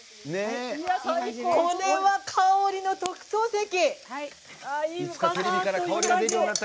これは、香りの特等席！